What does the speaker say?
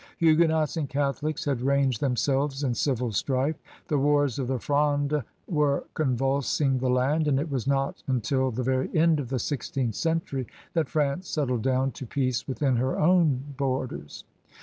Huguenots and Catholics had ranged themselves in civil strife; the wars of the Fronde were convuls ing the land, and it was not until the very end of the sixteenth century that France settled down to peace within her own borders.